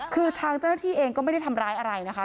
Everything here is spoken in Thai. คือทางเจ้าหน้าที่เองก็ไม่ได้ทำร้ายอะไรนะคะ